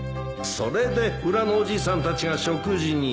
それで裏のおじいさんたちが食事に